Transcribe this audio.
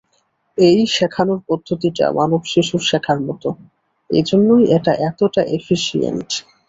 এই শেখানোর পদ্ধতিটা মানব শিশুর শেখার মত, এজন্যই এটা এতটা এফিশিয়েন্ট!